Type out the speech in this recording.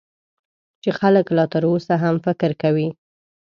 چې خلک لا تر اوسه هم فکر کوي .